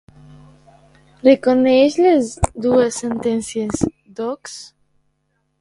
Reconeix les dues sentències, doncs?